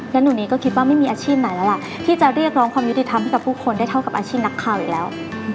แล้วหนูนี้ก็คิดว่าไม่มีอาชีพไหนแล้วล่ะที่จะเรียกร้องความยุติธรรมให้กับผู้คนได้เท่ากับอาชีพนักข่าวอีกแล้ว